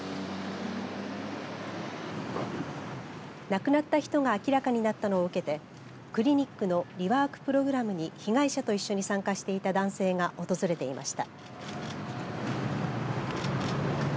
亡くなった人が明らかになったのを受けてクリニックのリワークプログラムに被害者と一緒に参加していた男性が訪れていました。